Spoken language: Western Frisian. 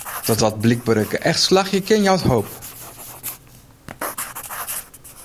Dat dat blykber ek echt slagje kin, jout hoop.